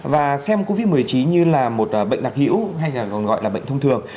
và xem covid một mươi chín như là một bệnh đặc hữu hay còn gọi là bệnh thông thường